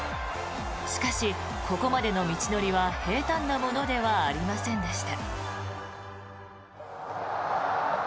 しかし、ここまでの道のりは平たんなものではありませんでした。